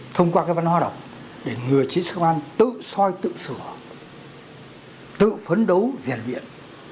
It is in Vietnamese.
thông qua cái văn hóa đọc để người chính sách công an tự soi tự sửa tự phấn đấu diễn viện